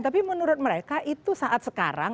tapi menurut mereka itu saat sekarang